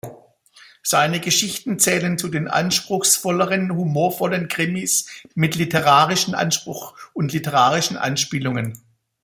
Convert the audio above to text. Seine Geschichten zählen zu den anspruchsvolleren, humorvollen Krimis mit literarischem Anspruch und literarischen Anspielungen.